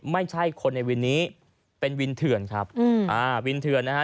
ไม่ใช่คนในวินนี้เป็นวินเถื่อนครับวินเถื่อนนะฮะ